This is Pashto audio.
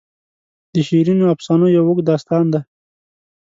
د شیرینو افسانو یو اوږد داستان دی.